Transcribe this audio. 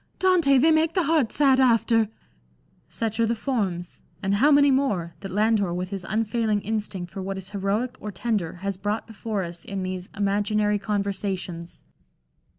Dante! they make the heart sad after" — such are the forms — and how many more I — that Landor with his unfail ing instinct for what is heroic or tender has brought before us in these hnaginary Conversations.